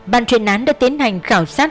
bàn truyền án đã tiến hành khảo sát